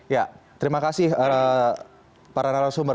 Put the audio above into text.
ya terima kasih para narasumber